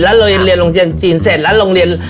แล้วเราเรียนโรงเรียนจีนเสร็จแล้วโรงเรียน